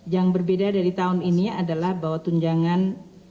yang berbeda dari tahun ini adalah bahwa tunjangan